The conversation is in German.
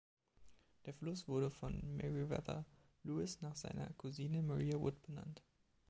Der Fluss wurde von Meriwether Lewis nach seiner Cousine Maria Wood benannt.